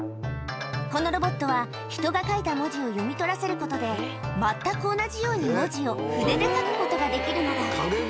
このロボットは、人が書いた文字を読み取らせることで、全く同じように文字を筆で書くことができるのだ。